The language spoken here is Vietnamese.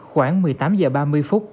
khoảng một mươi tám giờ ba mươi phút